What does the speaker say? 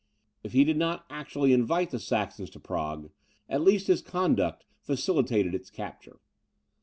If he did not actually invite the Saxons to Prague, at least his conduct facilitated its capture.